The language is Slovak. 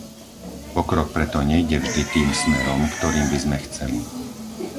Pokrok preto nejde vždy tým smerom, ktorým by sme chceli.